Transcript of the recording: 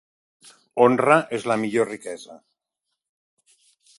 Honra és la millor riquesa.